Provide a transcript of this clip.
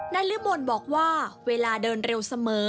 นายลิ้มวลบอกว่าเวลาเดินเร็วเสมอ